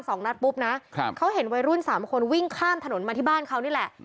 สองนัดปุ๊บนะครับเขาเห็นวัยรุ่นสามคนวิ่งข้ามถนนมาที่บ้านเขานี่แหละ